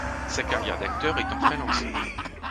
Sa carrière d'acteur est enfin lancée.